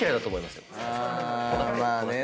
あまあね。